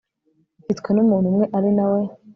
gifitwe n umuntu umwe ari na we